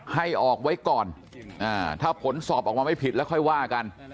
ให้ออกไว้ก่อนถ้าผลสอบออกมาไม่ผิดแล้วค่อยว่ากัน